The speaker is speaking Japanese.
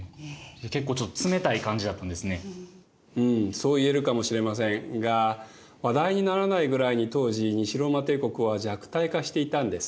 そう言えるかもしれませんが話題にならないぐらいに当時西ローマ帝国は弱体化していたんです。